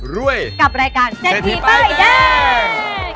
ร่วยกับรายการเจ็บที่ป้ายแดง